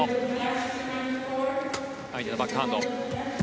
相手のバックハンド。